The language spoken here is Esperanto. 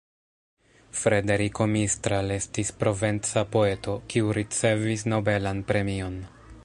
Frederiko Mistral estis provenca poeto, kiu ricevis nobelan premion.